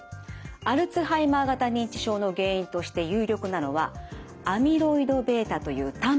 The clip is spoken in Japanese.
アルツハイマー型認知症の原因として有力なのはアミロイドβというタンパク質です。